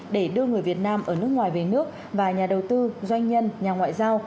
để đưa người việt nam ở nước ngoài về nước và nhà đầu tư doanh nhân nhà ngoại giao